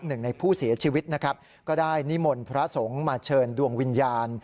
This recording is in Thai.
หนึ่งในผู้เสียชีวิตนะครับก็ได้นิมนต์พระสงฆ์มาเชิญดวงวิญญาณ